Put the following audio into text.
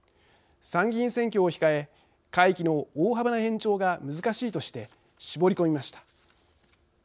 参議院選挙を控え会期の大幅な延長が難しいとして絞り込みました。